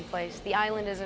pulau ini luar biasa